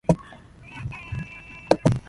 Three sixty-five are the days in a year.